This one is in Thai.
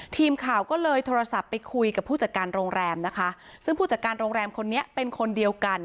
ทีมข่าวก็เลยโทรศัพท์ไปคุยกับผู้จัดการโรงแรมนะคะซึ่งผู้จัดการโรงแรมคนนี้เป็นคนเดียวกัน